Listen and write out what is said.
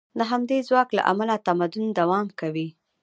د همدې ځواک له امله تمدن دوام کوي.